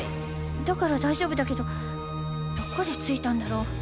だから大丈夫だけどどこでついたんだろ。